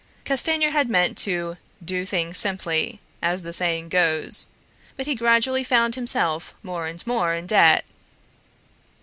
Castanier had meant to "do things simply," as the saying goes, but he gradually found himself more and more in debt.